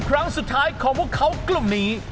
ครั้งสุดท้ายของพวกเขากลุ่มนี้